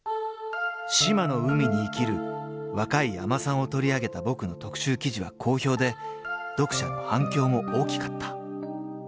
［志摩の海に生きる若い海女さんを取り上げた僕の特集記事は好評で読者の反響も大きかった］